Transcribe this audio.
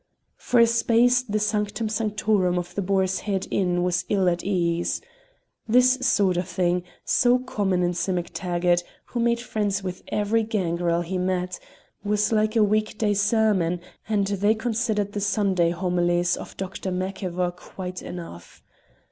For a space the sanctum sanctorum of the Boar's Head Inn was ill at ease. This sort of thing so common in Sim MacTaggart, who made friends with every gangrel he met was like a week day sermon, and they considered the Sunday homilies of Dr. Macivor quite enough.